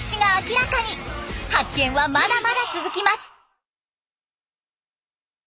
発見はまだまだ続きます！